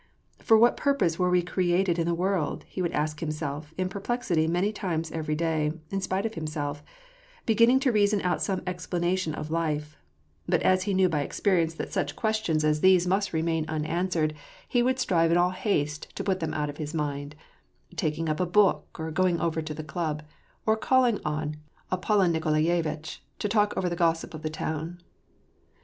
For what purpose were we created in the world?" he would ask himself in perplexity many times every day in spite of himself, beginning to reason out some explanation of life ; but as he knew by experience that such 3^10 W^R AND PEACE. questions as these must remain unanswerable, he would strive in all haste to put them out of his mind, — taking up a book, or going over to the club, or calling on ApoUon Nikolayevitch, to talk over the gossip of the town.